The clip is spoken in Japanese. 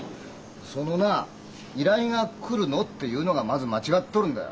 そのな「依頼が来るの」っていうのがまず間違っとるんだよ。